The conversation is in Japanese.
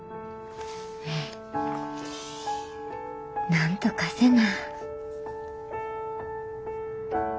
なんとかせな。